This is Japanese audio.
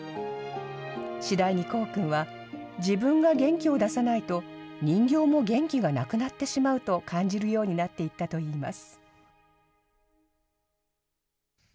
次第に功君は、自分が元気を出さないと、人形も元気がなくなってしまうと感じるようになっていったといいます。